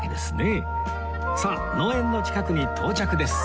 さあ農園の近くに到着です